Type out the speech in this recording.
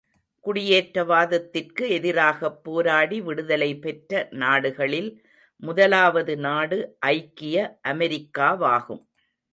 குடியேற்றவாதத்திற்கு எதிராகப் போராடி விடுதலை பெற்ற நாடுகளில் முதலாவது நாடு ஐக்கிய அமெரிக்காவாகும்.